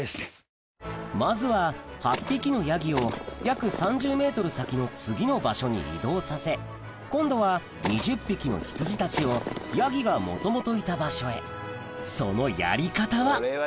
まずは８匹のヤギを約３０ｍ先の次の場所に移動させ今度は２０頭のヒツジたちをヤギがもともといた場所へこっちだよ